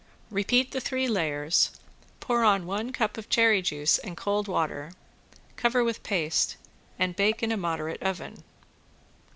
Repeat the three layers, pour on one cup of cherry juice and cold water, cover with paste and bake in a moderate oven.